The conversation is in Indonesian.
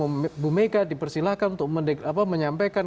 ketua umum bumeka dipersilahkan untuk menyampaikan